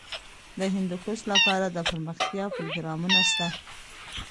د هندوکش لپاره دپرمختیا پروګرامونه شته.